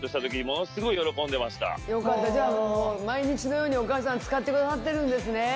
よかったじゃあ毎日のようにお母さん使ってくださってるんですね。